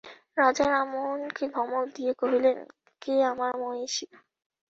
রাজা রামমোহনকে ধমক দিয়া কহিলেন, কে আমার মহিষী?